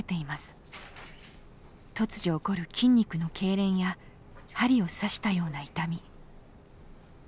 突如起こる筋肉のけいれんや針を刺したような痛み。